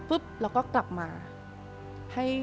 ปุ๊บแล้วก็กลับมา